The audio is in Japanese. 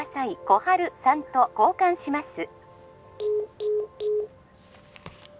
☎心春さんと交換します